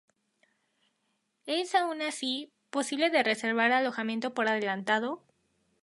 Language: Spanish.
Es, aun así, posible de reservar alojamiento por adelantado.